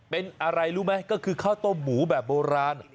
เป็นอะไรรู้ไหมก็คือข้าวต้มหมูแบบโบราณ